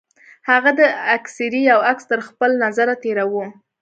هغه د اکسرې يو عکس تر خپل نظره تېراوه.